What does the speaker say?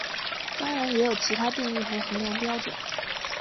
当然也有其它定义和衡量标准。